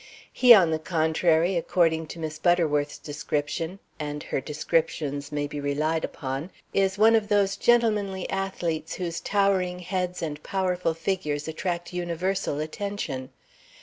He, on the contrary, according to Miss Butterworth's description (and her descriptions may be relied upon), is one of those gentlemanly athletes whose towering heads and powerful figures attract universal attention.